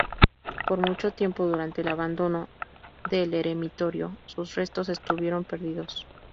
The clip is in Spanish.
Por mucho tiempo, durante el abandono del eremitorio, sus restos estuvieron perdidos.